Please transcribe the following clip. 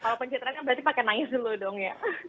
kalau pencitraan kan berarti pakai nangis dulu dong ya